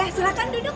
oh iya silahkan duduk